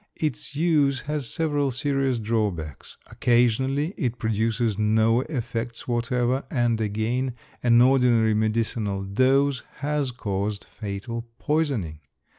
Its use has several serious drawbacks. Occasionally it produces no effects whatever and again an ordinary medicinal dose has caused fatal poisoning.